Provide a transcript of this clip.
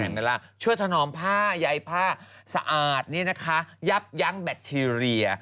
ก็จะช่วยทนอมผ้าวายผ้าสะอาดแย่ปะยังแบททีเรีย